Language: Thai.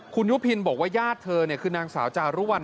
คุณยุพินบอกว่าญาติเธอคือนางสาวจารุวัล